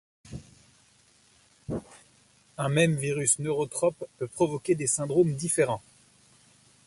Un même virus neurotrope peut provoquer des syndromes différents.